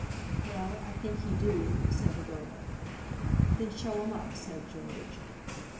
"Well, I think he do," said the girl. "Then show him up," said George.